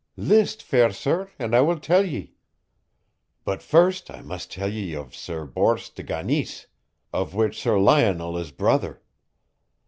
"List, fair sir, and I will tell ye. But first I must tell ye of Sir Bors de Ganis, of which Sir Lionel is brother.